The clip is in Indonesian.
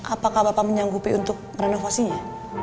apakah bapak menyangkuti untuk merenovasinya